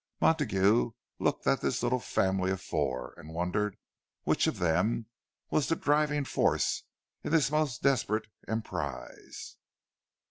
Montague looked at this little family of four, and wondered which of them was the driving force in this most desperate emprise!